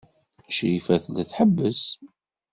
Crifa tella tḥebbes.